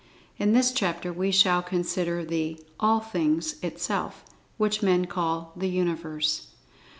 In this chapter we shall consider the All Things itself, which men call The Universe.